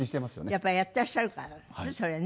やっぱりやってらっしゃるからそれね。